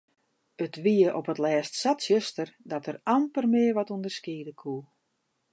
It wie op 't lêst sa tsjuster dat er amper mear wat ûnderskiede koe.